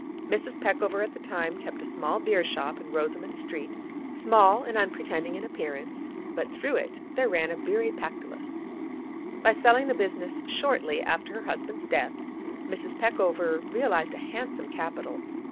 Mrs. Peckover at that time kept a small beer shop in Rosoman Street—small and unpretending in appearance, but through it there ran a beery Pactolus. By selling the business shortly after her husband's death, Mrs. Peckover realised a handsome capital.